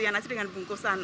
nasi dengan bungkusan